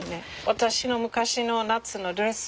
私の昔の夏のドレス。